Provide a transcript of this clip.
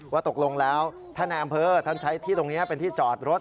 ว่าตกลงแล้วท่านนายอำเภอท่านใช้ที่ตรงนี้เป็นที่จอดรถ